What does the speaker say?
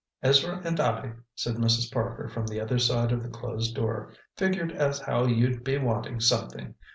"Ezra and I," said Mrs. Parker from the other side of the closed door, "figured as how you'd be wanting something.